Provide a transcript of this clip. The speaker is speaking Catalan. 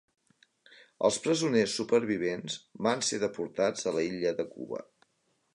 Els presoners supervivents van ser deportats a l'illa de Cuba.